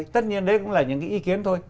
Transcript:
tất nhiên đấy cũng là những cái ý kiến thôi